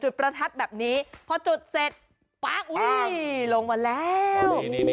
ประทัดแบบนี้พอจุดเสร็จปั๊กลงมาแล้ว